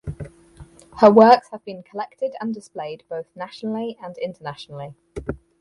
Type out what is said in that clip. Her works have been collected and displayed both nationally and internationally.